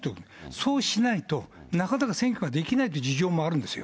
そうしないと、なかなか選挙ができないっていう事情もあるんですよ。